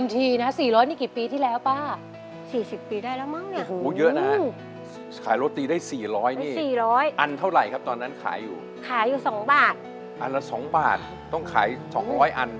ขายโรตีได้๔๐๐บาทอันเท่าไหร่ครับตอนนั้นขายอยู่๒บาทอันละ๒บาทต้องขาย๒๐๐อัน